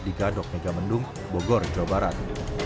di gadok megamendung bogor jawa barat